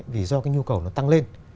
vì do cái nhu cầu nó tăng lên